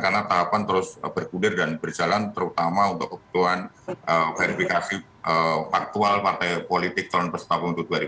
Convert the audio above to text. karena tahapan terus berkudir dan berjalan terutama untuk kebutuhan verifikasi faktual partai politik tahun dua ribu dua puluh satu